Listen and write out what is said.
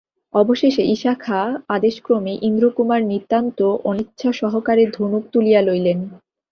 অবশেষে ইশা খাঁর আদেশক্রমে ইন্দ্রকুমার নিতান্ত অনিচ্ছাসহকারে ধনুক তুলিয়া লইলেন।